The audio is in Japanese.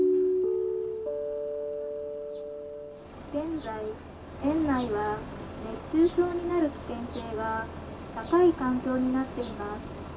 現在、園内は熱中症になる危険性が高い環境になっています。